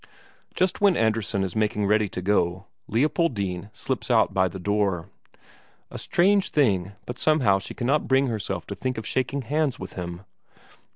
Just when Andresen is making ready to go, Leopoldine slips out by the door. A strange thing, but somehow she cannot bring herself to think of shaking hands with him.